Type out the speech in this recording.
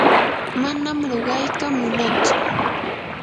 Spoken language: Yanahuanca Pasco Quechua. manam ruqayta munatsu.